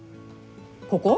ここ？